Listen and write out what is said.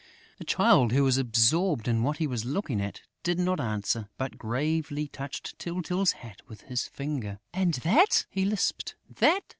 The Child, who was absorbed in what he was looking at, did not answer, but gravely touched Tyltyl's hat with his finger: "And that?" he lisped. "That?...